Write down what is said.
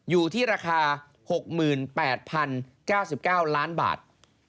อยู่ที่ราคา๖๘๐๙๙ล้านบาท